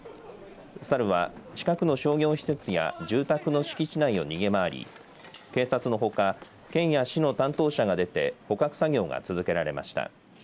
サルは近くの商業施設や住宅の敷地内を逃げ回り警察のほか県や市の担当者が出て捕獲作業が続けられました。